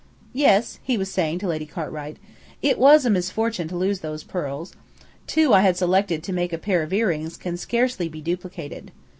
"Yes," he was saying to Lady Cartwright, "it was a misfortune to lose those pearls. Two I had selected to make a pair of earrings can scarcely be duplicated.